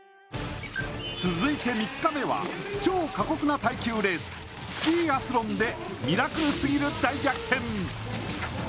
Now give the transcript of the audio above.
続いて３日目は、超過酷な耐久レーススキーアスロンでミラクルすぎる大逆転！